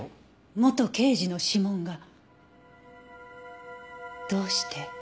元刑事の指紋がどうして。